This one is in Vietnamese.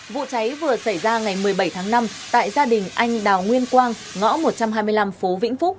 vụ cháy vừa xảy ra ngày một mươi bảy tháng năm tại gia đình anh đào nguyên quang ngõ một trăm hai mươi năm phố vĩnh phúc